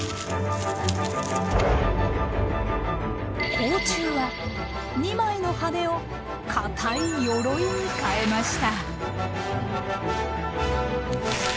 甲虫は２枚の羽を硬いヨロイに変えました。